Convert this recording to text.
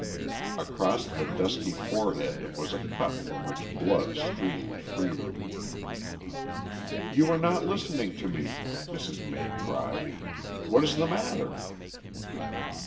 Across the dusky forehead was a cut from which blood streamed freely. "You are not listening to me," Mrs. May cried. "What is the matter?"